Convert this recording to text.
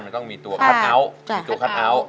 มันต้องมีตัวคัดเอาท์